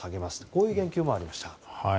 こういう言及もありました。